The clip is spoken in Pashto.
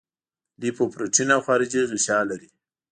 لیپوپروټین او خارجي غشا لري.